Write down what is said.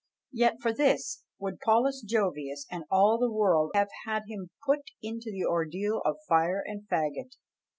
Yet for this would Paulus Jovius and all the world have had him put to the ordeal of fire and fagot!